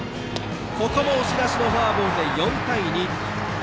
ここも押し出しのフォアボールで４対２。